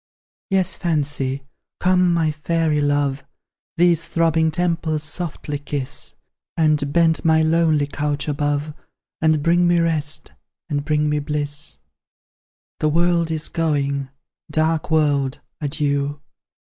Yes, Fancy, come, my Fairy love! These throbbing temples softly kiss; And bend my lonely couch above, And bring me rest, and bring me bliss. The world is going; dark world, adieu!